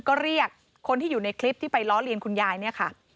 ก็เรียกคนที่อยู่ในคลิปที่ไปล้อเลียนคุณยายเนี่ยค่ะ